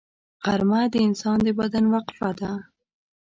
غرمه د انسان د بدن وقفه ده